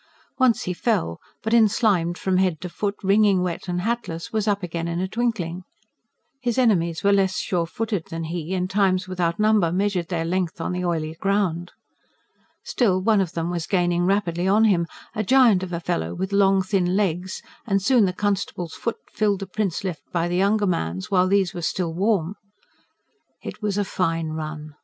Once he fell, but, enslimed from head to foot, wringing wet and hatless, was up again in a twinkling. His enemies were less sure footed than he, and times without number measured their length on the oily ground. Still, one of them was gaining rapidly on him, a giant of a fellow with long thin legs; and soon the constable's foot filled the prints left by the young man's, while these were still warm. It was a fine run.